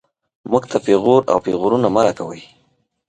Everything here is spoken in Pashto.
موږ ته پېغور او پېغورونه مه راکوئ